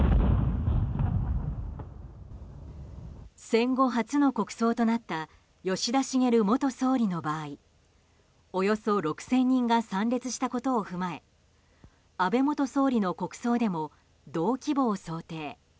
戦後初の国葬となった吉田茂元総理の場合およそ６０００人が参列したことを踏まえ安倍元総理の国葬でも同規模を想定。